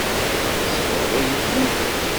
Tsebɣeḍ-iyi-ten.